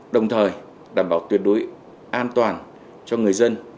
đồng thời đảm bảo tuyệt đối an toàn cho người dân